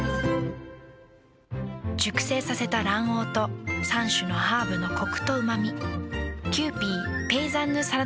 熟成させた卵黄と３種のハーブのコクとうま味。